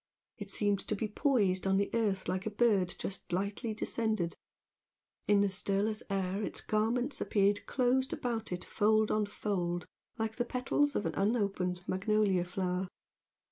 It seemed to be poised on the earth like a bird just lightly descended; in the stirless air its garments appeared closed about it fold on fold like the petals of an unopened magnolia flower.